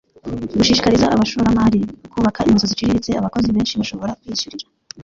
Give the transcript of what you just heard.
gushishikariza abashoramari kubaka inzu ziciriritse abakozi benshi bashobora kwiyishyurira